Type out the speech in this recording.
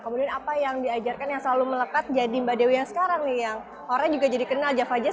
kemudian apa yang diajarkan yang selalu melekat jadi mbak dewi yang sekarang nih yang orang juga jadi kenal java jazz